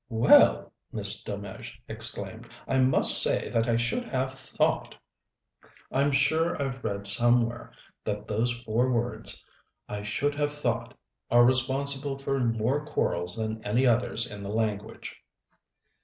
"Well!" Miss Delmege exclaimed, "I must say that I should have thought " "I'm sure I've read somewhere that those four words 'I should have thought' are responsible for more quarrels than any others in the language."